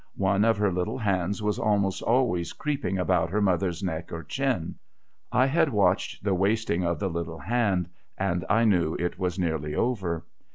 One of her little hands was almost always creeping about her mother's neck or chin, I had watched the wasting of the little hand, and I knew it was nearly over.